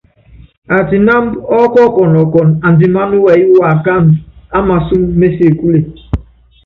Atinámb ɔ́kɔkɔnɔ kɔn andimán wɛyɛ́ waakándɔ́ á masɔ́m mé sebúle.